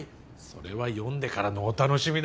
それは読んでからのお楽しみだよ。